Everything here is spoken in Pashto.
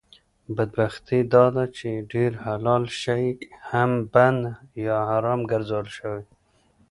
بدبختي داده چې ډېر حلال شی هم بند یا حرام ګرځول شوي